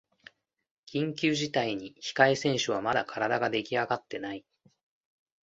緊急事態に控え選手はまだ体ができあがってない